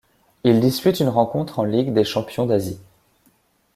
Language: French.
Il dispute une rencontre en Ligue des champions d'Asie.